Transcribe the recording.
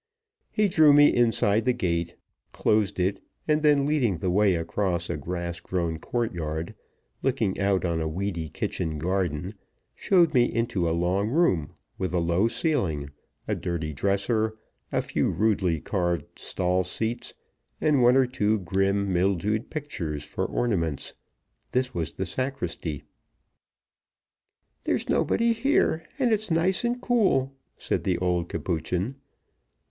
He drew me inside the gate, closed it, and then leading the way across a grass grown courtyard, looking out on a weedy kitchen garden, showed me into a long room with a low ceiling, a dirty dresser, a few rudely carved stall seats, and one or two grim, mildewed pictures for ornaments. This was the sacristy. "There's nobody here, and it's nice and cool," said the old Capuchin.